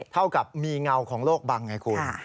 เท่ากับมีเงาของโลกบังไงคุณ